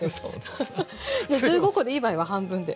１５コでいい場合は半分で。